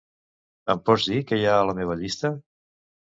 Em pots dir què hi ha a la meva llista?